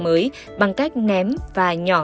mới bằng cách ném và nhỏ